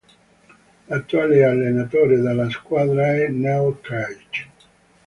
L'attuale allenatore della squadra è Neil Craig.